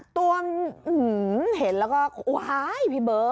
ตัวเห็นแล้วก็หายพี่เบิ้ล